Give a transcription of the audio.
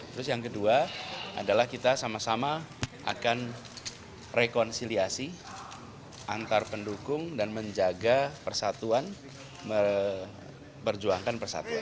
terus yang kedua adalah kita sama sama akan rekonsiliasi antar pendukung dan menjaga persatuan persatuan